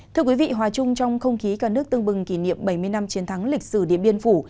thưa quý vị hòa chung trong không khí cả nước tương bừng kỷ niệm bảy mươi năm chiến thắng lịch sử điện biên phủ